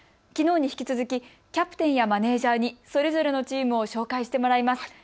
きのうに引き続きキャプテンやマネージャーに、それぞれのチームを紹介してもらいます。